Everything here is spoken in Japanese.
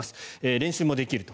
練習もできると。